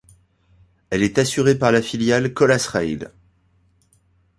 Elle est assurée par la filiale Colas Rail.